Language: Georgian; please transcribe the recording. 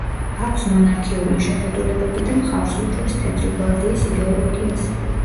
აქვს მონარქიული შეხედულებები და მხარს უჭერს თეთრი გვარდიის იდეოლოგიას.